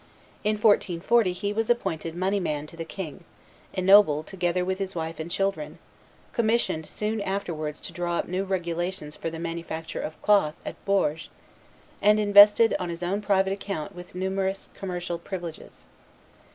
In 1440 he was appointed moneyman to the king, ennobled together with his wife and children, commissioned soon afterwards to draw up new regulations for the manufacture of cloth at Bourges, and invested on his own private account with numerous commercial privileges.